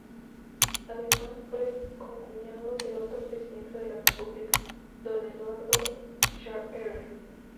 Además fue concuñado de otro presidente de la República, don Eduardo Schaerer.